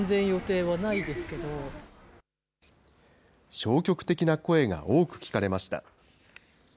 消極的な声が多く聞かれました。